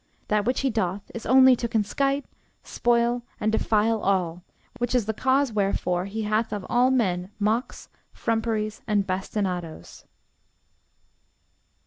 That which he doth, is only to conskite, spoil, and defile all, which is the cause wherefore he hath of all men mocks, frumperies, and bastinadoes.